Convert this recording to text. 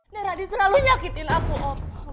darah di terlalu nyakitin aku om